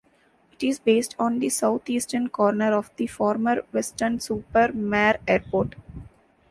It is based on the south-eastern corner of the former Weston-super-Mare Airport.